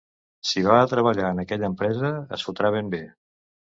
Si va a treballar en aquella empresa es fotrà ben bé.